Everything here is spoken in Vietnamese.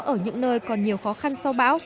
ở những nơi còn nhiều khó khăn sau bão